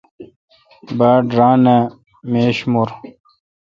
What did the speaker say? باڑ ران اہ میش مور۔